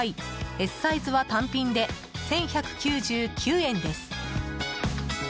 Ｓサイズは単品で１１９９円です。